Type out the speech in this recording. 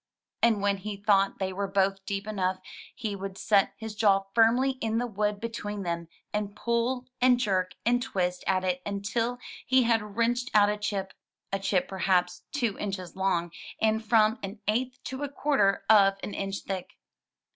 And when he thought they were both deep enough he would set his jaw firmly in the wood between them, and pull and jerk and twist at it until he had wrenched out a chip — a chip perhaps two inches long, and from an eighth to a quarter of an inch thick.